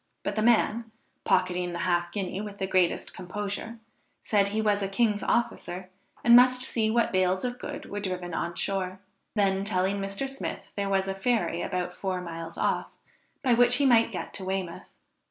But the man, pocketing the half guinea with the greatest composure, said he was a king's officer, and must see what bales of goods were driven on shore; then telling Mr. Smith there was a ferry about four miles off, by which he might get to Weymouth.